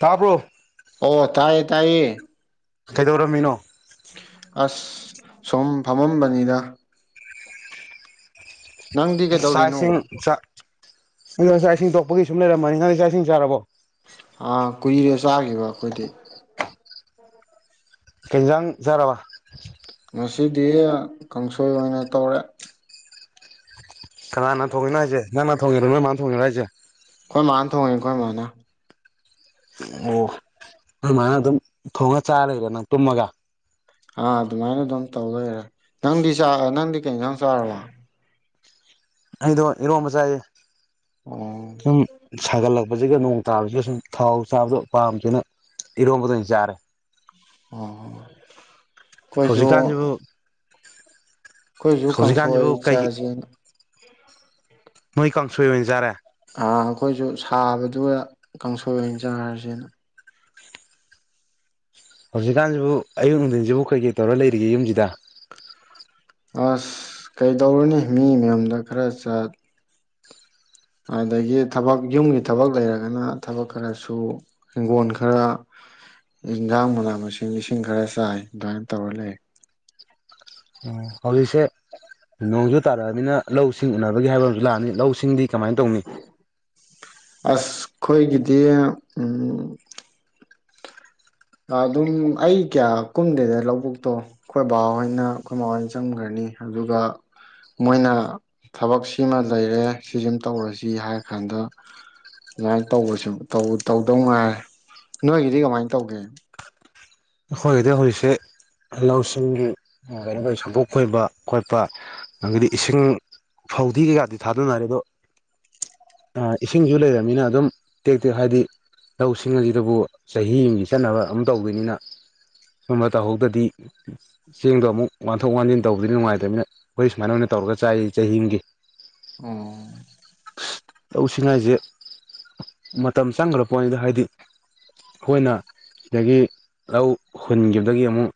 ꯇꯥꯕꯔꯣ꯫ ꯑꯣ ꯇꯥꯏꯌꯦ ꯇꯥꯏꯌꯦ꯫ ꯀꯩꯗꯧꯔꯝꯃꯤꯅꯣ꯫ ꯑꯁ ꯁꯨꯝ ꯐꯝꯃꯝꯕꯅꯤꯗ꯫ ꯅꯪꯗꯤ ꯁꯥ ꯀꯩꯗꯧꯔꯤꯅꯣ ꯏꯁꯤꯡ ꯆꯥ ꯑꯗꯣ ꯆꯥꯛ ꯏꯁꯤꯡ ꯇꯣꯛꯄꯒꯤ ꯁꯨꯝ ꯂꯩꯔꯝꯕꯅꯤ ꯅꯪꯗꯤ ꯆꯥꯛ ꯏꯁꯤꯡ ꯆꯥꯔꯕꯣ꯫ ꯑ ꯀꯨꯏꯔꯦ ꯆꯥꯈꯤꯕ ꯑꯩꯈꯣꯏꯗꯤ꯫ ꯀꯩ ꯏꯟꯖꯥꯡ ꯆꯥꯔꯕ꯫ ꯉꯁꯤꯗꯤ ꯀꯥꯡꯁꯣꯏ ꯑꯣꯏꯅ ꯇꯧꯔꯦ꯫ ꯀꯅꯥꯅ ꯊꯣꯡꯉꯤꯅꯣ ꯍꯥꯏꯖꯦ ꯅꯪꯅ ꯊꯣꯡꯉꯤꯔꯣ ꯅꯣꯏ ꯃꯥꯅ ꯊꯣꯡꯉꯤꯔꯣ ꯍꯥꯏꯖꯦ꯫ ꯑꯩꯈꯣꯏ ꯃꯥꯥꯅ ꯊꯣꯡꯉꯦ ꯑꯩꯈꯣꯏ ꯃꯥꯥꯅ꯫ ꯑꯣ ꯅꯣꯏ ꯃꯥꯅ ꯑꯗꯨꯝ ꯊꯣꯡꯉ ꯆꯥꯔ ꯂꯩꯔꯦ ꯅꯪ ꯇꯨꯝꯃꯒ꯫ ꯑꯥ ꯑꯗꯨꯃꯥꯏꯅ ꯑꯗꯨꯝ ꯇꯧ ꯂꯩꯔꯦ ꯅꯪꯗꯤ ꯆꯥꯔ ꯅꯪꯗꯤ ꯀꯩ ꯏꯟꯖꯥꯡ ꯆꯥꯔꯕ꯫ ꯑꯩꯗꯣ ꯏꯔꯣꯝꯕ ꯆꯥꯏ꯫ ꯑꯣ ꯁꯨꯝ ꯁꯥꯒꯠꯂꯛ ꯍꯧꯖꯤꯛꯒ ꯅꯣꯡ ꯇꯥꯕꯖꯤꯗ ꯁꯨꯝ ꯊꯥꯎ ꯆꯥꯕꯗꯣ ꯄꯥꯝꯗꯔꯦꯅ ꯏꯔꯣꯝꯕꯗ ꯑꯣꯏꯅ ꯆꯥꯔꯦ꯫ ꯎꯝ ꯑꯩꯈꯣꯏꯖꯨ ꯍꯧꯖꯤꯛꯀꯥꯟꯁꯤꯕꯨ ꯑꯩꯈꯣꯏꯖꯨ ꯀꯥꯡꯁꯣꯏ ꯍꯧꯖꯤꯛꯀꯥꯟꯁꯤꯕꯨ ꯀꯩꯒꯤ ꯏꯆꯥꯖꯦꯅ ꯅꯣꯏ ꯀꯥꯡꯁꯣꯏ ꯑꯣꯏꯅ ꯆꯥꯔꯦ꯫ ꯑꯥ ꯑꯩꯈꯣꯏꯖꯨ ꯁꯥꯕꯗꯨꯒ ꯀꯥꯡꯁꯣꯏ ꯑꯣꯏꯅ ꯆꯥꯔꯖꯦꯅ꯫ ꯍꯧꯖꯤꯛꯀꯥꯟꯖꯤꯕꯨ ꯑꯌꯨꯛ ꯅꯨꯡꯗꯤꯟꯖꯤꯕꯨ ꯀꯩꯀꯩ ꯇꯧꯔ ꯂꯩꯔꯤꯒꯦ ꯌꯨꯝꯖꯤꯗ꯫ ꯑꯁ ꯀꯩꯗꯧꯔꯨꯅꯤ ꯃꯤ ꯃꯌꯨꯝꯗ ꯈꯔ ꯆꯠ ꯑꯗꯒꯤ ꯊꯕꯛ ꯌꯨꯝꯒꯤ ꯊꯕꯛ ꯂꯩꯔꯒꯅ ꯊꯕꯛ ꯈꯔꯁꯨ ꯍꯤꯡꯒꯣꯟ ꯈꯔ ꯏꯟꯖꯥꯡ ꯃꯅꯥ ꯃꯁꯤꯡ ꯂꯤꯁꯤꯡ ꯈꯔ ꯆꯥꯏ ꯑꯗꯨꯃꯥꯏ ꯇꯧꯔ ꯂꯩ꯫ ꯑꯣ ꯍꯧꯖꯤꯛꯁꯦ ꯅꯣꯡꯖꯨ ꯇꯥꯔꯛꯑꯃꯤꯅ ꯂꯧꯁꯤꯡ ꯎꯅꯕꯒꯤ ꯍꯥꯏꯕ ꯑꯃꯖꯨ ꯂꯥꯛꯑꯅꯤ ꯂꯧ ꯁꯤꯡꯗꯤ ꯀꯃꯥꯏ ꯇꯧꯅꯤ꯫ ꯑꯁ ꯑꯩꯈꯣꯏꯒꯤꯗꯤ ꯎꯝ ꯑꯗꯨꯝ ꯑꯩ ꯀꯌꯥ ꯀꯨꯝꯗꯦꯗ ꯂꯧꯕꯨꯛꯇꯣ ꯑꯩꯈꯣꯏ ꯕꯥꯍꯣꯏꯅ ꯑꯩꯈꯣꯏ ꯃꯥ ꯍꯣꯏꯅ ꯆꯪꯒ꯭ꯔꯅꯤ ꯑꯗꯨꯒ ꯃꯣꯏꯅ ꯊꯕꯛ ꯁꯤꯃ ꯂꯩꯔꯦ ꯁꯤꯖꯤꯃ ꯇꯧꯔꯖꯤ ꯍꯥꯏꯔꯀꯥꯟꯗ ꯑꯗꯨꯃꯥꯏꯅ ꯇꯧꯕꯁꯨ ꯇꯧꯗꯧ ꯉꯥꯏꯔꯦ ꯅꯣꯏꯒꯤꯗꯤ ꯀꯃꯥꯏ ꯇꯧꯒꯦ꯫ ꯑꯩꯈꯣꯏꯒꯤꯗꯤ ꯍꯧꯖꯤꯛꯁꯦ ꯂꯧꯁꯤꯡꯒꯤ ꯀꯩꯅꯣ ꯁꯝꯄꯣꯠ ꯈꯣꯏꯕ ꯈꯣꯠꯄ ꯑꯗꯒꯤꯗꯤ ꯏꯁꯤꯡ ꯐꯧꯗꯤ ꯀꯩꯀꯥꯗꯤ ꯊꯥꯗꯅꯔꯦ ꯑꯗꯣ ꯏꯁꯤꯡꯁꯨ ꯂꯩꯔꯃꯤꯅ ꯑꯗꯨꯝ ꯇꯦꯛ ꯇꯦꯛ ꯍꯥꯏꯗꯤ ꯂꯧꯁꯤꯡ ꯑꯁꯤꯗꯕꯨ ꯆꯍꯤ ꯑꯃꯒꯤ ꯆꯠꯅꯕ ꯑꯗꯨꯝ ꯇꯧꯕꯅꯤꯅ꯫ ꯁꯨꯝꯕ ꯇꯧꯍꯧꯗꯗꯤ ꯆꯦꯡꯗꯣ ꯑꯃꯨꯛ ꯋꯥꯟꯊꯣꯛ ꯋꯥꯟꯖꯤꯟ ꯇꯧꯕꯗꯤ ꯅꯨꯡꯉꯥꯏꯇꯕꯅꯤꯅ ꯑꯩꯈꯣꯏ ꯁꯨꯃꯥꯏꯅ ꯑꯣꯏꯅ ꯇꯧꯔꯒ ꯆꯥꯏ ꯆꯍꯤꯑꯝꯒꯤ꯫ ꯎꯝ꯫ ꯂꯧ ꯁꯤꯡꯍꯥꯏꯖꯦ ꯃꯇꯝ ꯆꯪꯒ꯭ꯔ ꯄꯣꯠꯅꯤꯗ ꯍꯥꯏꯗꯤ ꯑꯩꯈꯣꯏꯅ ꯁꯤꯗꯒꯤ ꯂꯧ ꯍꯨꯟꯒꯤꯕꯗꯒꯤ ꯑꯃꯨꯛ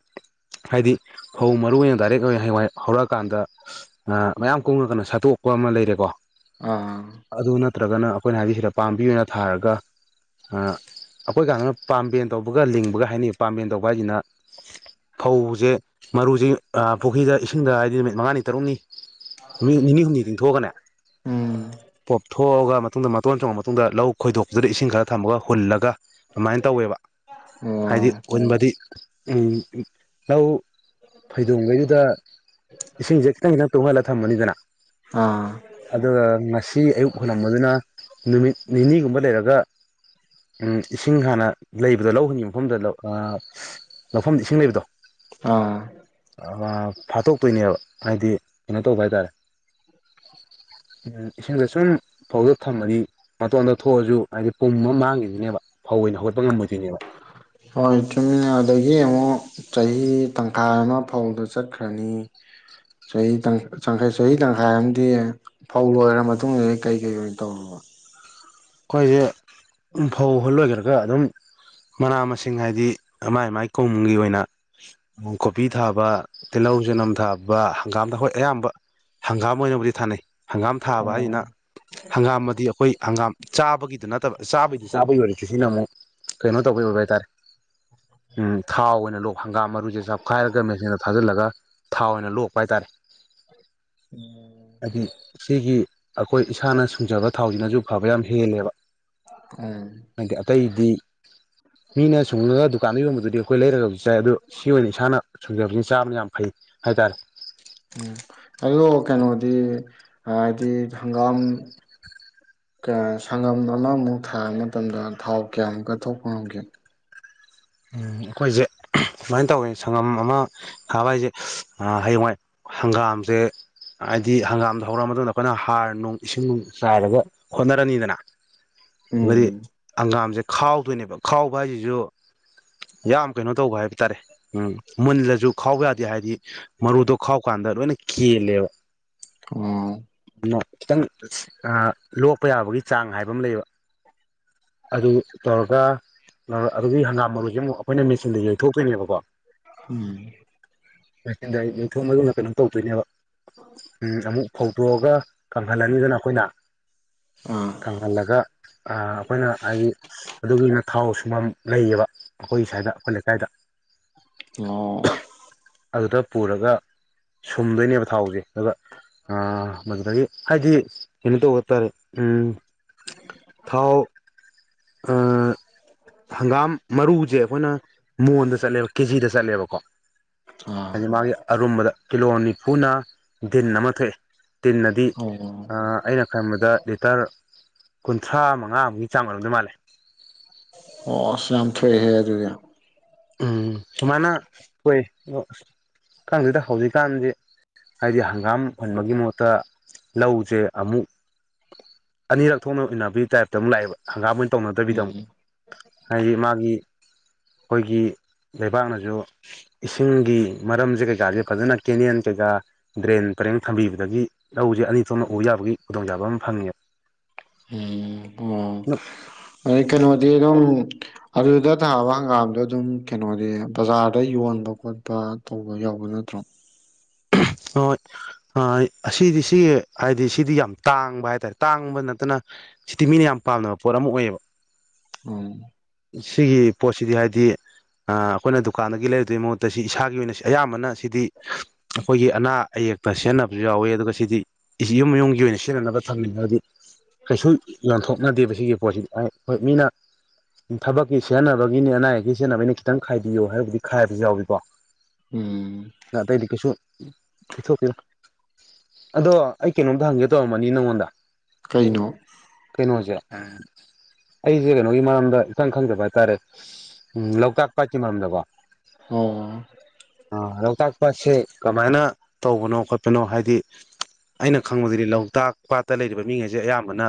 ꯍꯥꯏꯗꯤ ꯐꯧ ꯃꯔꯨ ꯑꯣꯏꯅ ꯗꯥꯏꯔꯦꯛ ꯑꯣꯏꯅ ꯍꯌꯦꯡꯋꯥꯏ ꯍꯧꯔꯛꯑꯀꯥꯟꯗ ꯃꯌꯥꯝ ꯀꯨꯡꯉꯒꯅ ꯁꯥꯠꯇꯣꯛꯄ ꯑꯃ ꯂꯩꯔꯦꯀꯣ꯫ ꯑ ꯑꯗꯨ ꯅꯠꯇ꯭ꯔꯒꯅ ꯑꯩꯈꯣꯏꯅ ꯍꯥꯏꯗꯤ ꯁꯤꯗ ꯄꯥꯝꯕꯤ ꯑꯣꯏꯅ ꯊꯥꯔꯒ ꯑ ꯑꯩꯈꯣꯏ ꯀꯥꯟꯗꯅ ꯄꯥꯝꯕꯦꯟ ꯇꯧꯕꯒ ꯂꯤꯡꯕꯒ ꯍꯥꯏꯅꯤ ꯄꯥꯝꯕꯦꯟ ꯇꯧꯕ ꯕꯍꯥꯢꯖꯤꯅ ꯐꯧꯖꯦ ꯃꯔꯨꯖꯦ ꯄꯨꯈꯤꯗ ꯏꯁꯤꯡꯗ ꯍꯥꯏꯗꯤ ꯅꯨꯃꯤꯠ ꯃꯉꯥꯅꯤ ꯇꯔꯨꯛꯅꯤ ꯅꯨꯃꯤꯠ ꯅꯤꯅꯤ ꯍꯨꯝꯅꯤ ꯇꯤꯡꯊꯣꯛꯑꯒꯅꯦ ꯎꯝ ꯄꯣꯞꯊꯣꯛꯑꯒ ꯃꯇꯨꯡꯗ ꯃꯇꯣꯟ ꯆꯣꯡꯉ ꯃꯇꯨꯡꯗ ꯂꯧ ꯈꯣꯏꯗꯣꯛꯇꯨꯅ ꯏꯁꯤꯡ ꯈꯔ ꯊꯝꯃꯒ ꯍꯨꯜꯂꯒ ꯑꯗꯨꯃꯥꯏ ꯇꯧꯋꯦꯕ ꯍꯥꯏꯗꯤ ꯑꯣ ꯍꯨꯟꯕꯗꯤ꯫ ꯎꯝ ꯂꯧ ꯐꯩꯗꯣꯡꯒꯤꯗꯨꯗ ꯏꯁꯤꯡꯖꯦ ꯈꯤꯇꯪ ꯈꯤꯇꯪ ꯇꯨꯡꯍꯜꯂꯒ ꯊꯝꯃꯅꯤꯗꯅ ꯑ ꯑꯗꯨꯒ ꯉꯁꯤ ꯑꯌꯨꯛ ꯍꯨꯜꯂꯝꯕꯗꯨꯅ ꯅꯨꯃꯤꯠ ꯅꯤꯅꯤꯒꯨꯝꯕ ꯂꯩꯔꯒ ꯎꯝ ꯏꯁꯤꯡ ꯍꯥꯟꯅ ꯂꯩꯕꯗ ꯂꯧ ꯍꯨꯟꯒꯤꯕ ꯃꯐꯝꯗ ꯂꯧ ꯑ ꯂꯧꯐꯝꯗ ꯏꯁꯤꯡ ꯂꯩꯕꯗꯣ꯫ ꯑ ꯑ ꯐꯥꯠꯇꯣꯛꯇꯣꯏꯅꯦꯕ ꯍꯥꯏꯗꯤ ꯀꯩꯅꯣ ꯇꯧꯕ ꯍꯥꯏꯇꯥꯔꯦ ꯎꯝ ꯏꯁꯤꯡꯗꯨ ꯁꯨꯝ ꯐꯧꯗꯣ ꯊꯝꯃꯗꯤ ꯃꯇꯣꯟꯗ ꯊꯣꯛꯑꯁꯨ ꯍꯥꯏꯕꯗꯤ ꯄꯨꯝꯃ ꯃꯥꯡꯒꯤꯗꯣꯏꯅꯦꯕ ꯐꯧ ꯑꯣꯏꯅ ꯍꯧꯒꯠꯄ ꯉꯝꯃꯣꯏꯗꯣꯏꯅꯦꯕ꯫ ꯍꯣꯏ ꯆꯨꯝꯃꯤꯅꯦ ꯑꯗꯒꯤ ꯑꯃꯨꯛ ꯆꯍꯤ ꯇꯪꯈꯥꯏ ꯑꯃꯗꯤ ꯐꯧꯗ ꯆꯠꯈ꯭ꯔꯅꯤ ꯆꯍꯤ ꯇꯪ ꯈꯔ ꯆꯍꯤ ꯇꯪꯈꯥꯏ ꯑꯝꯗꯤ ꯐꯧ ꯂꯣꯏꯔ ꯃꯇꯨꯡꯗ ꯀꯩꯀꯩ ꯑꯣꯏꯅ ꯇꯧꯔꯕ꯫ ꯑꯩꯈꯣꯏꯖꯦ ꯐꯧꯍꯨꯜ ꯂꯣꯏꯒ꯭ꯔꯒ ꯑꯗꯨꯝ ꯃꯅꯥ ꯃꯁꯤꯡ ꯍꯥꯏꯗꯤ ꯃꯥꯏ ꯃꯥꯏ ꯀꯣꯝꯒꯤ ꯑꯣꯏꯅ ꯀꯣꯕꯤ ꯊꯥꯕ ꯇꯤꯜꯍꯧ ꯆꯅꯝ ꯊꯥꯕ ꯍꯪꯒꯥꯝꯗ ꯍꯣꯏ ꯑꯌꯥꯝꯕ ꯍꯪꯒꯥꯝ ꯑꯣꯏꯅꯕꯨꯗꯤ ꯊꯥꯅꯩ꯫ ꯍꯪꯒꯥꯝ ꯊꯥꯕ ꯍꯥꯏꯖꯤꯅ ꯍꯪꯒꯥꯝꯑꯗꯤ ꯑꯩꯈꯣꯏ ꯍꯪꯒꯥꯝ ꯆꯥꯕꯒꯤꯗꯨ ꯅꯠꯇꯕ ꯆꯥꯕꯩꯗꯤ ꯆꯥꯕꯒꯤ ꯑꯣꯏꯔꯛꯁꯨ ꯁꯤꯅ ꯑꯃꯨꯛ ꯀꯩꯅꯣ ꯇꯧꯕꯩ ꯑꯣꯏꯕ ꯍꯥꯏꯇꯥꯔꯦ ꯊꯥꯎ ꯑꯣꯏꯅ ꯂꯣꯛ ꯍꯪꯒꯥꯝ ꯃꯔꯨꯁꯦ ꯆꯞꯈꯥꯏꯔꯒ ꯃꯦꯆꯤꯟꯗ ꯊꯥꯖꯤꯜꯂꯒ ꯊꯥꯎ ꯑꯣꯏꯅ ꯂꯣꯛꯄ ꯍꯥꯏꯇꯥꯔꯦ ꯍꯥꯏꯗꯤ ꯁꯤꯒꯤ ꯑꯩꯈꯣꯏ ꯏꯁꯥꯅ ꯁꯨꯡꯖꯕ ꯊꯥꯎꯁꯤꯅꯁꯨ ꯐꯕ ꯌꯥꯝ ꯍꯦꯜꯂꯦꯕ ꯎꯝ ꯍꯥꯏꯗꯤ ꯑꯇꯩꯗꯤ ꯃꯤꯅ ꯁꯨꯡꯉꯒ ꯗꯨꯀꯥꯟꯗ ꯌꯣꯟꯕꯗꯨꯗꯤ ꯑꯩꯈꯣꯏ ꯂꯩꯔꯒ ꯆꯥꯏ ꯑꯗꯨ ꯁꯤ ꯑꯣꯏꯅ ꯏꯁꯥꯅ ꯁꯨꯡꯖꯕꯅ ꯆꯥꯕ ꯌꯥꯝ ꯐꯩ ꯍꯥꯏꯇꯥꯔꯦ ꯎꯝ ꯑꯗ‌ꯣ ꯀꯩꯅꯣꯗꯤ ꯍꯥꯏꯗꯤ ꯍꯪꯒꯥꯝ ꯁꯪꯒꯝ ꯑꯃꯃꯨꯛ ꯊꯥꯕ ꯃꯇꯝꯗ ꯊꯥꯎ ꯀꯌꯥꯃꯨꯛꯀ ꯊꯣꯛꯄ ꯉꯝꯒꯦ ꯎꯝ ꯑꯩꯈꯣꯏꯁꯦ ꯁꯨꯃꯥꯏꯅ ꯇꯧꯋꯦ ꯁꯪꯒꯝ ꯑꯃ ꯊꯥꯕ ꯍꯥꯏꯁꯦ ꯍꯌꯦꯡꯋꯥꯏ ꯍꯪꯒꯥꯝꯁꯦ ꯍꯥꯏꯗꯤ ꯍꯪꯒꯥꯝꯗ ꯍꯧꯔꯛꯑ ꯃꯇꯨꯡꯗ ꯑꯩꯈꯣꯏꯅ ꯍꯥꯔ ꯅꯨꯡ ꯏꯁꯤꯡ ꯅꯨꯡ ꯆꯥꯏꯔꯒ ꯍꯣꯠꯅꯔꯅꯤꯗꯅ ꯃꯔꯤ ꯎꯝ ꯍꯪꯒꯥꯝꯁꯦ ꯈꯥꯎꯗꯣꯏꯅꯦꯕ ꯈꯥꯎꯕ ꯍꯥꯏꯁꯤꯁꯨ ꯌꯥꯝ ꯀꯩꯅꯣ ꯇꯧꯕ ꯍꯥꯏꯕ ꯇꯥꯔꯦ ꯎꯝ ꯃꯨꯜꯂꯁꯨ ꯈꯥꯎꯕ ꯌꯥꯗꯦ ꯍꯥꯏꯗꯤ ꯃꯔꯨꯗꯣ ꯈꯥꯎꯀꯥꯟꯗ ꯂꯣꯏꯅ ꯀꯦꯜꯂꯦꯕ ꯑꯣ ꯑꯗꯨꯅ ꯈꯤꯇꯪ ꯂꯣꯛꯄ ꯌꯥꯕꯒꯤ ꯆꯥꯡ ꯍꯥꯏꯕ ꯑꯃ ꯂꯩꯕ ꯑꯗꯨ ꯇꯧꯔꯒ ꯑꯗꯨꯒꯤ ꯍꯪꯒꯥꯝ ꯃꯔꯨꯁꯦ ꯑꯃꯨꯛ ꯑꯩꯈꯣꯏꯅ ꯃꯦꯆꯤꯟꯗ ꯌꯩꯊꯣꯛꯇꯣꯏꯅꯦꯕꯀꯣ ꯎꯝ ꯃꯦꯆꯤꯟꯗ ꯌꯩꯊꯣꯛꯑꯕꯗꯨꯅ ꯀꯩꯅꯣ ꯇꯧꯗꯣꯏꯅꯦꯕ ꯑꯃꯨꯛ ꯐꯧꯇꯣꯛꯑꯒ ꯀꯪꯍꯜꯂꯅꯤꯗꯅ ꯑꯩꯈꯣꯏꯅ ꯑꯥ ꯀꯪꯍꯜꯂꯒ ꯑꯩꯈꯣꯏꯅ ꯍꯥꯏꯗꯤ ꯑꯗꯨꯒꯤꯅ ꯊꯥꯎ ꯁꯨꯝꯐꯝ ꯂꯩꯌꯦꯕ ꯑꯩꯈꯣꯏ ꯁ꯭ꯋꯥꯏꯗ ꯑꯩꯈꯣꯏ ꯂꯩꯀꯥꯏꯗ ꯑꯣ ꯑꯗꯨꯗ ꯄꯨꯔꯒ ꯁꯨꯝꯗꯣꯏꯅꯦꯕ ꯊꯥꯎꯁꯦ ꯑ ꯃꯗꯨꯗꯒꯤ ꯍꯥꯏꯗꯤ ꯀꯩꯅꯣ ꯇꯧꯕ ꯇꯥꯔꯦ ꯊꯥꯎ ꯍꯪꯒꯥꯝ ꯃꯔꯨꯁꯦ ꯑꯩꯈꯣꯏꯅ ꯃꯣꯟꯗ ꯆꯠꯂꯦꯕ ꯀꯦꯖꯤꯗ ꯆꯠꯂꯦꯕꯀꯣ ꯑꯥ ꯍꯥꯏꯗꯤ ꯃꯥꯒꯤ ꯑꯔꯨꯝꯕꯗ ꯀꯤꯂꯣ ꯅꯤꯐꯨꯅ ꯗꯤꯟ ꯑꯃ ꯊꯣꯛꯑꯦ ꯇꯟꯅ ꯑꯗꯤ ꯑꯣ ꯑꯩꯅ ꯈꯟꯕꯗ ꯂꯤꯇꯔ ꯀꯨꯟꯊ꯭ꯔꯥ ꯃꯉꯥꯃꯨꯛꯀꯤ ꯆꯥꯡ ꯑꯣꯏꯔꯝꯗꯣꯏ ꯃꯥꯜꯂꯦ ꯑꯣ ꯑꯁ ꯌꯥꯝ ꯊꯣꯛꯑꯍꯦ ꯑꯗꯨ ꯌꯥꯝ ꯎꯝ ꯁꯨꯃꯥꯏꯅ ꯑꯩꯈꯣꯏ ꯑ ꯈꯪꯗꯦꯗ ꯍꯧꯖꯤꯛꯀꯥꯟꯗꯤ ꯍꯥꯏꯗꯤ ꯍꯪꯒꯥꯝ ꯍꯟꯕꯒꯤ ꯃꯍꯨꯠꯇ ꯂꯧꯁꯦ ꯑꯃꯨꯛ ꯑꯅꯤꯔꯛ ꯊꯣꯛꯅ ꯑꯣꯏꯅꯟꯅꯕꯤꯒꯤ ꯇꯥꯏꯞꯇ ꯑꯃꯨꯛ ꯂꯥꯛꯑꯦꯕ ꯍꯪꯒꯥꯝ ꯑꯣꯏꯅ ꯇꯧꯅꯗꯕꯤꯗ ꯎꯝ ꯑꯃꯨꯛ ꯍꯥꯏꯗꯤ ꯃꯥꯒꯤ ꯑꯩꯈꯣꯏꯒꯤ ꯂꯩꯕꯥꯛꯅꯁꯨ ꯏꯁꯤꯡꯒꯤ ꯃꯔꯝꯁꯦ ꯀꯩꯀꯥꯁꯦ ꯐꯖꯅ ꯀꯦꯅꯦꯦꯟ ꯀꯩꯀꯥ ꯗ꯭ꯔꯦꯟ ꯄꯔꯦꯡ ꯊꯝꯕꯤꯕꯗꯒꯤ ꯂꯧꯁꯦ ꯑꯅꯤ ꯊꯣꯛꯅ ꯎꯕ ꯌꯥꯕꯒꯤ ꯈꯨꯗꯣꯡꯆꯥꯕ ꯑꯃ ꯐꯪꯉꯦꯕ ꯎꯝ ꯑꯣ ꯎ ꯑꯗꯩ ꯀꯩꯅꯣꯗꯤ ꯑꯗꯨꯝ ꯑꯗꯨꯗ ꯊꯥꯕ ꯍꯪꯒꯥꯝꯗꯣ ꯑꯗꯨꯝ ꯀꯩꯅꯣꯗꯤ ꯕꯖꯥꯔꯗ ꯌꯣꯟꯕ ꯈꯣꯠꯄ ꯇꯧꯕ ꯌꯥꯎꯕ ꯅꯠꯇ꯭ꯔꯣ ꯍꯣꯏ ꯑꯁꯤꯗꯤ ꯁꯤ ꯍꯥꯏꯗꯤ ꯁꯤꯗꯤ ꯌꯥꯝ ꯇꯥꯡꯕ ꯍꯥꯏꯇꯥꯔꯦ ꯇꯥꯡꯕ ꯅꯠꯇꯅ ꯁꯤꯗꯤ ꯃꯤꯅ ꯌꯥꯝ ꯄꯥꯝꯅꯕ ꯄꯣꯠ ꯑꯃ ꯑꯣꯏꯌꯦꯕ ꯎꯝ ꯁꯤꯒꯤ ꯄꯣꯠꯁꯤꯗꯤ ꯍꯥꯏꯗꯤ ꯑꯩꯈꯣꯏꯅ ꯗꯨꯀꯥꯟꯗꯒꯤ ꯂꯩꯔꯨꯗꯩ ꯃꯍꯨꯠꯇ ꯁꯤ ꯏꯁꯥꯒꯤ ꯑꯣꯏꯅ ꯑꯌꯥꯝꯕꯅ ꯁꯤꯗꯤ ꯑꯩꯈꯣꯏꯒꯤ ꯑꯅꯥ ꯑꯌꯦꯛꯇ ꯁꯤꯖꯤꯟꯅꯕꯁꯨ ꯌꯥꯎꯋꯦ ꯑꯗꯨꯒ ꯁꯤꯗꯤ ꯌꯨꯝ ꯌꯨꯝꯒꯤ ꯑꯣꯏꯅ ꯁꯤꯖꯤꯟꯅꯅꯕ ꯊꯝꯃꯤꯕꯗꯤ ꯀꯩꯁꯨ ꯌꯣꯟꯊꯣꯛꯅꯗꯦꯕ ꯁꯤꯒꯤ ꯄꯣꯠꯁꯤꯗꯤ ꯍꯣꯏ ꯃꯤꯅ ꯊꯕꯛꯀꯤ ꯁꯖꯤꯟꯅꯕꯒꯤꯅꯤ ꯑꯅꯥ ꯑꯌꯦꯛꯀꯤ ꯁꯦꯟꯅꯕꯒꯤꯅꯦ ꯈꯤꯇꯪ ꯈꯥꯏꯕꯤꯌꯣ ꯍꯥꯏꯔꯕꯨꯗꯤ ꯈꯥꯏꯕꯁꯨ ꯌꯥꯎꯏꯀꯣ ꯎꯝ ꯑꯇꯩꯗꯤ ꯀꯩꯁꯨ ꯄꯤꯊꯣꯛꯇꯦꯗ ꯑꯗꯣ ꯑꯩ ꯀꯩꯅꯣꯝꯇ ꯍꯪꯒꯦ ꯇꯧꯔꯝꯕꯅꯤ ꯅꯪꯉꯣꯟꯗ ꯀꯩꯅꯣ ꯎꯝ ꯑꯩꯁꯦ ꯀꯩꯅꯣꯒꯤ ꯃꯔꯝꯗ ꯏꯇꯪ ꯈꯪꯗꯕ ꯍꯥꯏꯇꯥꯔꯦ ꯎꯝ ꯂꯣꯛꯇꯥꯛ ꯄꯥꯠꯀꯤ ꯃꯔꯝꯗꯀꯣ ꯑꯣ ꯑ ꯂꯣꯛꯇꯥꯛ ꯄꯥꯠꯁꯦ ꯀꯃꯥꯏꯅ ꯇꯧꯕꯅꯣ ꯈꯣꯠꯄꯅꯣ ꯍꯥꯏꯗꯤ ꯑꯩꯅ ꯈꯪꯕꯗꯗꯤ ꯂꯣꯛꯇꯥꯛ ꯄꯥꯠꯇ ꯂꯩꯔꯤꯕ ꯃꯤꯉꯩꯁꯦ ꯑꯌꯥꯝꯕꯅ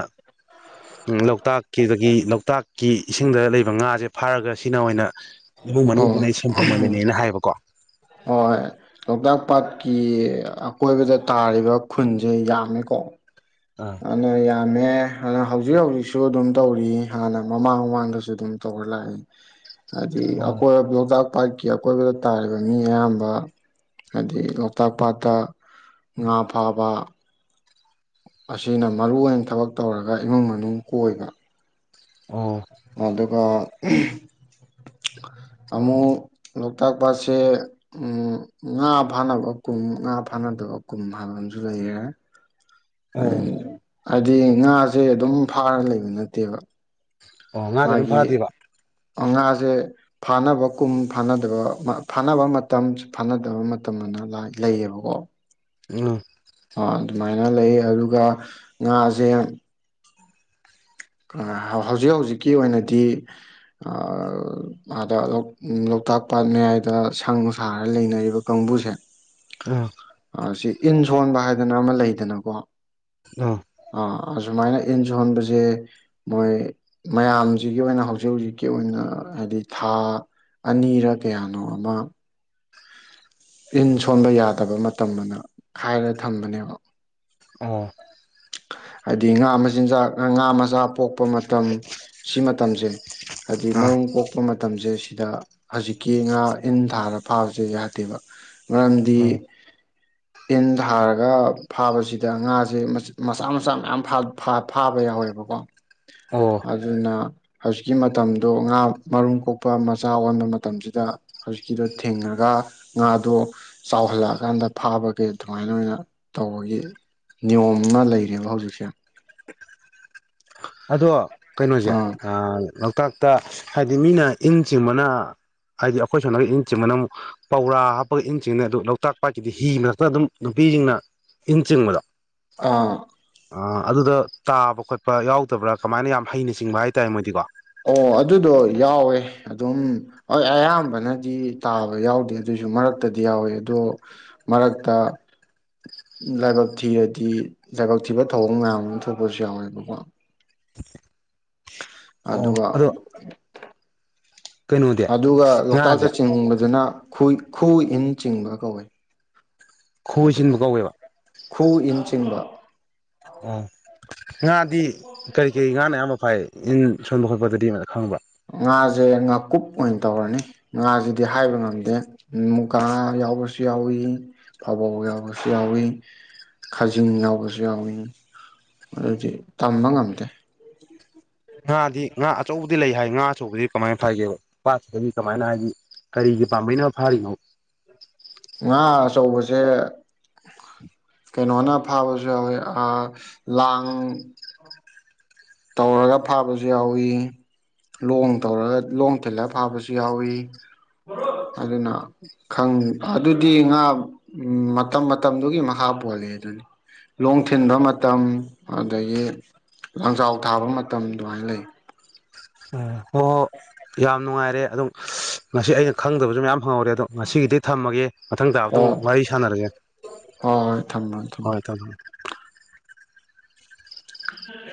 ꯂꯣꯛꯇꯥꯛꯀꯤꯗꯒꯤ ꯂꯣꯛꯇꯥꯛꯀꯤ ꯏꯁꯤꯡꯗ ꯂꯩꯕ ꯉꯥꯁꯦ ꯐꯥꯔꯒ ꯁꯤꯅ ꯑꯣꯏꯅ ꯏꯃꯨꯡ ꯑꯣ ꯃꯅꯨꯡꯗꯨꯅ ꯁꯤꯟꯐꯝ ꯑꯣꯏꯅꯦꯅ ꯍꯥꯏꯌꯦꯕꯀꯣ ꯍꯣꯏ ꯂꯣꯛꯇꯥꯛ ꯄꯥꯠꯀꯤ ꯑꯀꯣꯏꯕꯗ ꯇꯥꯔꯤꯕ ꯈꯨꯟꯁꯦ ꯌꯥꯝꯃꯦꯀꯣ ꯑꯥ ꯍꯥꯟꯅ ꯌꯥꯝ ꯍꯥꯟꯅ ꯍꯧꯖꯤꯛ ꯍꯧꯖꯤꯛꯁꯨ ꯑꯗꯨꯝ ꯇꯧꯔꯤ ꯍꯥꯟꯅ ꯃꯃꯥꯡ ꯃꯃꯥꯡꯗꯁꯨ ꯑꯗꯨꯝ ꯇꯧꯔ ꯂꯥꯛꯏ ꯍꯥꯏ ꯑꯣ ꯑꯩꯈꯣꯏ ꯑꯗ ꯄꯥꯠꯀꯤ ꯑꯀꯣꯏꯕꯗ ꯇꯥꯔꯤꯕ ꯃꯤ ꯑꯌꯥꯝꯕ ꯍꯥꯏꯗꯤ ꯂꯣꯛꯇꯥꯛ ꯄꯥꯠꯇ ꯉꯥ ꯐꯥꯕ ꯑꯁꯤꯅ ꯃꯔꯨ ꯑꯣꯏꯅ ꯊꯕꯛ ꯇꯧꯔꯒ ꯏꯃꯨꯡ ꯃꯅꯨꯡ ꯀꯣꯏꯕ ꯑꯣ ꯑꯗꯨꯒ ꯑꯃꯨꯛ ꯂꯣꯛꯇꯥꯛ ꯄꯥꯠꯁꯦ ꯎꯝ ꯉꯥ ꯐꯥꯅꯕ ꯀꯨꯝ ꯉꯥ ꯐꯥꯅꯗꯕ ꯀꯨꯝ ꯍꯥꯏꯕ ꯑꯃꯁꯨ ꯂꯩꯔꯦ ꯑꯣ ꯍꯥꯏꯗꯤ ꯉꯥꯁꯦ ꯑꯗꯨꯝ ꯐꯥꯔ ꯂꯩꯕ ꯅꯠꯇꯦꯕ ꯑꯣ ꯉꯥꯁꯦ ꯑꯗꯨꯝ ꯃꯥꯒꯤ ꯐꯥꯗꯦꯕ ꯉꯥꯁꯦ ꯐꯥꯅꯕ ꯀꯨꯝ ꯐꯥꯅꯗꯕ ꯐꯥꯅꯕ ꯃꯇꯝ ꯐꯥꯅꯗꯕ ꯃꯇꯝꯅ ꯂꯩꯌꯦꯕꯀꯣ ꯎꯝ ꯑꯗꯨꯃꯥꯏꯅ ꯂꯩ ꯑꯗꯨꯒ ꯉꯥꯁꯦ ꯍꯧꯖꯤꯛ ꯍꯧꯖꯤꯛꯀꯤ ꯑꯣꯏꯅꯗꯤ ꯑꯥꯗ ꯂꯣꯛꯇꯥꯛ ꯄꯥꯠ ꯃꯌꯥꯏꯗ ꯁꯪ ꯁꯥꯔꯒ ꯂꯩꯅꯔꯤꯕ ꯀꯥꯡꯕꯨꯁꯦ ꯑꯥ ꯁꯤ ꯏꯟ ꯁꯣꯟꯕ ꯍꯥꯏꯗꯅ ꯑꯃ ꯂꯩꯗꯅꯀꯣ ꯑꯥ ꯁꯨꯃꯥꯏꯅ ꯏꯟ ꯁꯣꯟꯕꯁꯦ ꯃꯣꯏ ꯃꯌꯥꯝꯁꯤꯒꯤ ꯑꯣꯏꯅ ꯍꯧꯖꯤꯛ ꯍꯧꯖꯤꯛꯀꯤ ꯑꯣꯏꯅ ꯍꯥꯏꯗꯤ ꯊꯥ ꯑꯅꯤꯔ ꯀꯌꯥꯅꯣ ꯑꯃ ꯏꯟ ꯁꯣꯟꯕ ꯌꯥꯗꯕ ꯃꯇꯝ ꯑꯃꯅ ꯍꯥꯏꯔ ꯊꯝꯕꯅꯦꯕ ꯑ ꯍꯥꯏꯗꯤ ꯉꯥ ꯃꯆꯤꯟꯖꯥꯛ ꯉꯥ ꯃꯆꯥ ꯄꯣꯛꯄ ꯃꯇꯝ ꯁꯤ ꯃꯇꯝꯁꯦ ꯍꯥꯏꯗꯤ ꯑꯥ ꯃꯔꯨꯝ ꯀꯣꯛꯄ ꯃꯇꯝꯁꯦ ꯁꯤꯗ ꯍꯧꯖꯤꯛꯀꯤ ꯉꯥ ꯏꯟ ꯊꯥꯔ ꯐꯥꯕꯁꯦ ꯌꯥꯗꯦꯕ ꯃꯔꯝꯗꯤ ꯎꯝ ꯏꯟ ꯊꯥꯔꯒ ꯐꯥꯕꯁꯤꯗ ꯉꯥꯁꯦ ꯃꯆꯥ ꯃꯆꯥ ꯃꯌꯥꯝ ꯐꯥꯕ ꯌꯥꯎꯋꯦꯕꯀꯣ ꯑꯣ ꯑꯗꯨꯅ ꯍꯧꯖꯤꯛꯀꯤ ꯃꯇꯝꯗꯣ ꯉꯥ ꯃꯔꯨꯝ ꯀꯣꯛꯄ ꯃꯆꯥ ꯑꯣꯟꯕ ꯃꯇꯝꯁꯤꯗ ꯍꯧꯖꯤꯛꯀꯤꯗꯣ ꯊꯤꯡꯉꯒ ꯉꯥꯗꯣ ꯆꯥꯎꯍꯜꯂꯛꯑꯀꯥꯟꯗ ꯐꯥꯕꯒꯤ ꯑꯗꯨꯃꯥꯏꯅ ꯑꯣꯏꯅ ꯇꯧꯕꯒꯤ ꯅꯤꯌꯣꯝ ꯑꯃ ꯂꯩꯔꯦꯕ ꯍꯧꯖꯤꯛꯁꯦ ꯑꯗꯣ ꯀꯩꯅꯣꯁꯦ ꯑꯥ ꯑꯑ ꯂꯣꯛꯇꯥꯛꯇ ꯍꯥꯏꯗꯤ ꯃꯤꯅ ꯏꯟ ꯆꯤꯡꯕꯅ ꯍꯥꯏꯗꯤ ꯑꯩꯈꯣꯏ ꯁꯣꯝꯗꯅ ꯏꯟ ꯆꯤꯡꯕꯅ ꯑꯃꯨꯛ ꯄꯧꯔꯥ ꯍꯥꯞꯄꯒ ꯏꯟ ꯆꯤꯡꯅꯩ ꯑꯗꯨ ꯂꯣꯛꯇꯥꯛ ꯄꯥꯠꯀꯤꯗꯤ ꯍꯤ ꯃ ꯃꯔꯛꯇ ꯑꯗꯨꯝ ꯅꯨꯄꯤꯁꯤꯡꯅ ꯏꯟ ꯆꯤꯡꯕꯗꯣ ꯑꯥ ꯑꯗꯨꯗ ꯇꯥꯕ ꯈꯣꯠꯄ ꯌꯥꯎ ꯇꯕ꯭ꯔꯥ ꯀꯃꯥꯏꯅ ꯌꯥꯝ ꯍꯩꯅ ꯆꯤꯡꯕ ꯍꯥꯏꯇꯥꯔꯦ ꯃꯣꯏꯗꯤ ꯀꯣ ꯑꯣ ꯑꯗꯨꯗꯣ ꯌꯥꯎꯋꯦ ꯑꯗꯨꯝ ꯍꯣꯏ ꯑꯌꯥꯝꯕꯅꯗꯤ ꯇꯥꯕ ꯌꯥꯎꯗꯦ ꯑꯣ ꯑꯣ ꯑꯗꯨꯏꯗꯣ ꯌꯥꯎꯋꯦ ꯑꯗꯨꯝ ꯍꯣꯏ ꯑꯌꯥꯝꯕꯅꯗꯤ ꯇꯥꯕ ꯌꯥꯎꯗꯦ ꯑꯗꯣꯏꯁꯨ ꯃꯔꯛꯇꯗꯤ ꯌꯥꯎꯋꯦ ꯑꯗꯣ ꯃꯔꯛꯇ ꯂꯥꯏꯕꯛ ꯊꯤꯔꯗꯤ ꯂꯥꯏꯕꯛ ꯊꯤꯕ ꯊꯧꯑꯣꯡ ꯃꯌꯥꯝ ꯑꯃ ꯊꯣꯛꯄꯁꯨ ꯌꯥꯎꯋꯦꯕꯀꯣ ꯑꯣ ꯑꯗꯨꯒ ꯑꯗꯣ ꯀꯩꯅꯣꯗꯤ ꯑꯗꯨꯒ ꯂꯣꯛꯇꯥꯛꯇ ꯉꯥꯁꯦ ꯆꯤꯡꯕꯗꯨꯅ ꯈꯨ ꯈꯨ ꯏꯟ ꯆꯤꯡꯕ ꯀꯧꯋꯏ ꯑ ꯈꯣꯏ ꯆꯤꯟꯕ ꯀꯧꯋꯦꯕ ꯈꯨ ꯏꯟ [inaudible] ꯑ ꯉꯥꯗꯤ ꯀꯔꯤ ꯀꯔꯤ ꯉꯥꯅꯌꯥꯝꯕ ꯐꯥꯏ ꯏꯟ ꯁꯣꯟꯕ ꯈꯣꯠꯄꯗꯗꯤ ꯑꯃ ꯈꯪꯕ꯭ꯔꯥ ꯉꯥꯁꯦ ꯉꯥꯀꯨꯞ ꯑꯣꯏꯅ ꯇꯧꯔꯅꯤ ꯉꯥꯁꯤꯗꯤ ꯍꯥꯏꯕ ꯉꯝꯗꯦ ꯃꯨꯒꯥꯥ ꯌꯥꯎꯕꯁꯨ ꯌꯥꯎꯏ ꯐꯕꯧ ꯌꯥꯎꯕꯁꯨ ꯌꯥꯎꯏ ꯈꯥꯖꯤꯡ ꯌꯥꯎꯕꯁꯨ ꯌꯥꯎꯏ ꯑꯗꯨꯗꯤ ꯇꯝꯕ ꯉꯝꯗꯦ ꯉꯥꯗꯤ ꯉꯥ ꯑꯆꯧꯕꯗꯤ ꯂꯩ ꯍꯥꯏ ꯉꯥ ꯑꯆꯧꯕꯗꯤ ꯀꯃꯥꯏꯅ ꯐꯒꯦꯕ ꯄꯠꯁꯤꯗꯤ ꯀꯃꯥꯏꯅ ꯍꯥꯏꯗꯤ ꯀꯔꯤꯒꯤ ꯄꯥꯝꯕꯩꯅ ꯐꯥꯔꯤꯅꯣ ꯉꯥ ꯑꯆꯧꯕꯁꯦ ꯀꯩꯅꯣꯅ ꯐꯥꯕꯁꯨ ꯌꯥꯎꯋꯤ ꯑꯥꯑꯑ ꯂꯥꯡ ꯇꯧꯔꯒ ꯐꯥꯕꯁꯨ ꯌꯥꯎꯏꯤ ꯂꯣꯡ ꯇꯧꯔꯒ ꯂꯣꯡ ꯊꯤꯜꯂꯒ ꯐꯥꯕꯁꯨ ꯌꯥꯎꯏꯤ ꯑꯗꯨꯅ ꯈꯪ ꯑꯗꯨꯗꯤ ꯉꯥ ꯃꯇꯝ ꯃꯇꯝꯗꯨꯒꯤ ꯃꯈꯥ ꯄꯣꯜꯂꯤ ꯑꯗꯨꯅꯤ ꯂꯣꯡ ꯊꯤꯟꯕ ꯃꯇꯝ ꯑꯗꯨꯗꯒꯤ ꯂꯪꯖꯥꯎ ꯊꯥꯕ ꯃꯇꯝ ꯑꯗꯨꯃꯥꯏꯅ ꯂꯩ ꯑ ꯍꯣꯏ ꯍꯣꯏ ꯌꯥꯝ ꯅꯨꯡꯉꯥꯏꯔꯦ ꯑꯗꯨꯝ ꯉꯁꯤ ꯑꯩꯅ ꯈꯪꯗꯕꯁꯨ ꯃꯌꯥꯝ ꯐꯪꯍꯧꯔꯦ ꯑꯗꯣ ꯉꯁꯤꯒꯤꯗꯤ ꯊꯝꯃꯒꯦ ꯃꯊꯪ ꯇꯥꯕꯗꯣ ꯋꯥꯔꯤ ꯁꯥꯟꯅꯔꯒꯦ ꯍꯣꯏ ꯍꯣꯏ ꯊꯝꯃꯣ ꯊꯝꯃꯣ ꯍꯣꯏ ꯊꯝ ꯑ ꯎꯝ